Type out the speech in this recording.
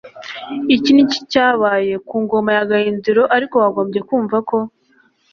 iki n'iki cyabaye ku ngoma ya gahindiro ariko, wagombye kumva ko